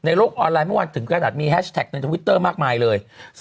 โลกออนไลน์เมื่อวานถึงขนาดมีแฮชแท็กในทวิตเตอร์มากมายเลย